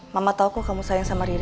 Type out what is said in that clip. mama tau kok kamu sayang sama riri